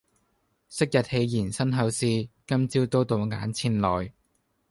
昔日戲言身后事，今朝都到眼前來。